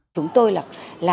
chúng tôi là